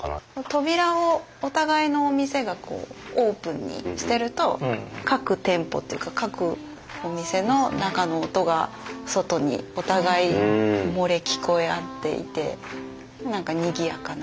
扉をお互いの店がオープンにしてると各店舗っていうか各お店の中の音が外にお互い漏れ聞こえ合っていて何かにぎやかな。